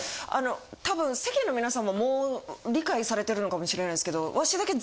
多分世間の皆さんももう理解されてるのかもしれないですけど私だけ。